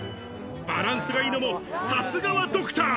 バランスが良いのもさすがはドクター。